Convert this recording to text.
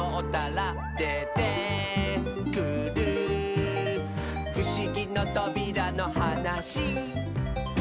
「でてくるふしぎのとびらのはなし」